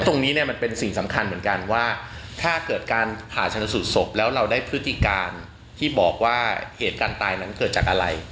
ตรงนี้เนี่ยมันเป็นสิ่งสำคัญเหมือนกันว่าถ้าเกิดการผ่าชนสูตรศพแล้วเราได้พฤติการที่บอกว่าเหตุการณ์ตายนั้นเกิดจากอะไร